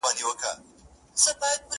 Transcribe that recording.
او واجب القتل ګڼي